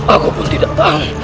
aku pun tidak tahu